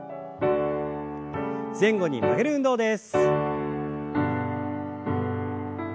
前後に曲げる運動です。